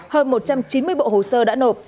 hơn một trăm chín mươi bộ hồ sơ đã nộp